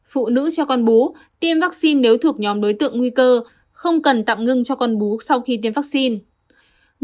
phụ nữ cho con bú tiêm vaccine nếu thuộc nhóm đối tượng nguy cơ không cần tạm ngưng cho con bú sau khi tiêm vaccine